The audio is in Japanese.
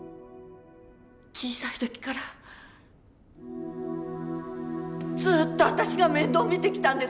小さい時からずっと私が面倒見てきたんです。